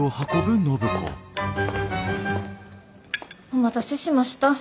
お待たせしました。